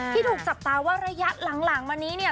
ที่ถูกจับตาว่าระยะหลังมานี้เนี่ย